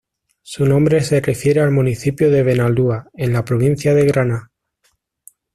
Su nombre se refiere al municipio de Benalúa, en la provincia de Granada.